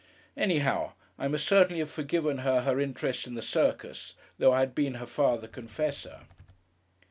Anyhow, I must certainly have forgiven her her interest in the Circus, though I had been her Father Confessor.